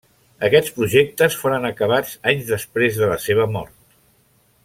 Aquests projectes foren acabats anys després de la seva mort.